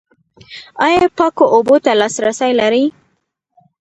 ایا پاکو اوبو ته لاسرسی لرئ؟